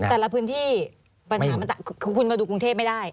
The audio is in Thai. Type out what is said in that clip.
แต่ละพื้นที่คุณมาดูกรุงเทพไม่ได้